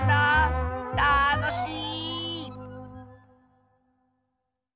たのしい！